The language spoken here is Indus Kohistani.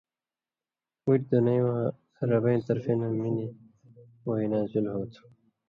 بُٹیۡ دنئ واں ربَیں طرفی نہ مِنی وئ (نازل ہُو) تُھو۔